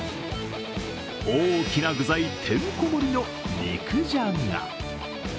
大きな具材てんこ盛りの肉じゃが。